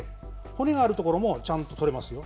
骨があるところもちゃんととれますよ。